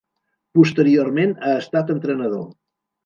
Posteriorment ha estat entrenador.